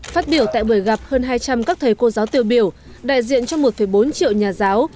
phát biểu tại buổi gặp hơn hai trăm linh các thầy cô giáo tiêu biểu đại diện cho một bốn triệu nhà giáo